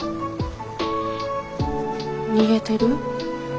逃げてる？